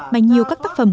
mà nhiều các tác phẩm